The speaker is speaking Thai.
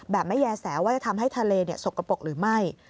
แบบไม่แย่แสว่าจะทำให้ทะเลสกปรกหรือไม่